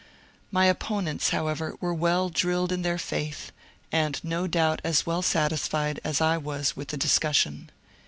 My opponents, however, were well drilled in their faith, and no doubt as well satisfied as I was with the discussion.